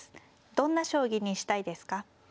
どんな将棋にしたいですか。